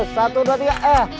satu dua tiga